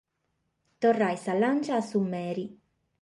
Torrare sa lantza a su mere.